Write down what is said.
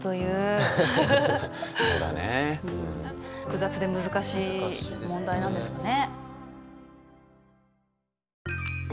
複雑で難しい問題なんですかね。